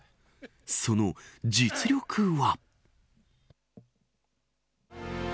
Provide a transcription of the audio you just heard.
その実力は。